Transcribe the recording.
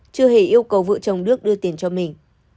chưa hề yêu cầu vợ chồng đức đưa tiền cho mình